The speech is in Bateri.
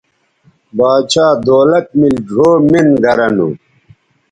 باچھا دولت میل ڙھؤ مِن گرہ نو